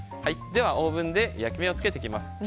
ではオーブンで焼き目をつけていきます。